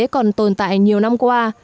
còn tồn tại nhiều năm qua